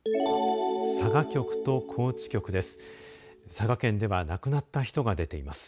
佐賀局と高知局です。